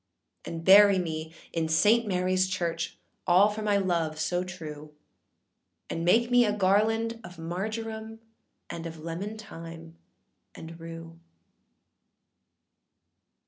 âAnd bury me in Saint Maryâs Church, All for my love so true; And make me a garland of marjoram, And of lemon thyme, and rue.